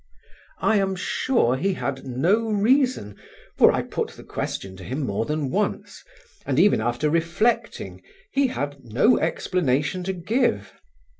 I am sure he had no reason, for I put the question to him more than once, and even after reflecting, he had no explanation to give.